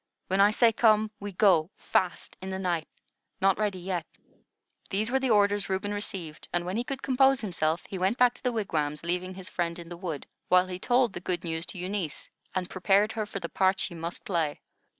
When I say come, we go fast in the night. Not ready yet." These were the orders Reuben received, and, when he could compose himself, he went back to the wigwams, leaving his friend in the wood, while he told the good news to Eunice, and prepared her for the part she must play.